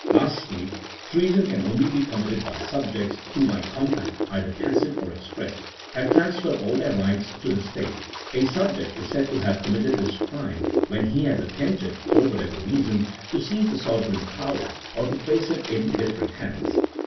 Lastly, treason can only be committed by subjects, who by compact, either tacit or expressed, have transferred all their rights to the state: a subject is said to have com mitted this crime when he has attempted, for whatever reason, to seize the sovereign power, or to place it in diffe rent hands.